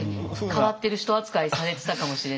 変わってる人扱いされてたかもしれないですよね。